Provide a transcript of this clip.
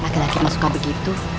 lagi lagi mau suka begitu